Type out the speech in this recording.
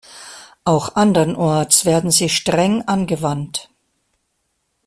Auch anderenorts werden sie streng angewandt.